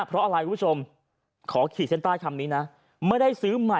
เพราะอะไรคุณผู้ชมขอขีดเส้นใต้คำนี้นะไม่ได้ซื้อใหม่